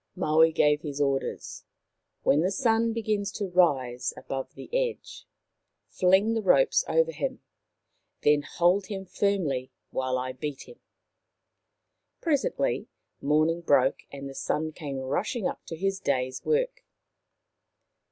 Maui gave his orders. " When the Sun begins to rise above the edge, fling the ropes over him. Then hold him firmly while I beat him." Presently morning broke and the Sun came rushing up to his day's work.